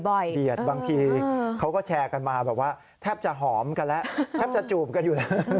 เบียดบางทีเขาก็แชร์กันมาแบบว่าแทบจะหอมกันแล้วแทบจะจูบกันอยู่แล้ว